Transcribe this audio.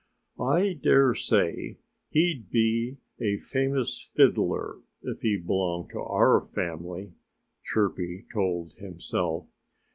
"I dare say he'd be a famous fiddler if he belonged to our family," Chirpy told himself.